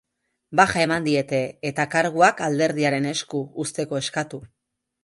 Baja eman diete, eta karguak alderdiaren esku uzteko eskatu.